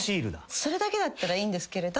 それだけだったらいいんですけれど。